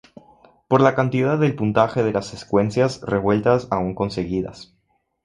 Por la cantidad del puntaje de las secuencias revueltas aún conseguidas.